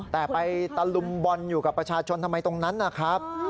แต่ไปตะลุมบอลอยู่กับประชาชนทำไมตรงนั้นนะครับ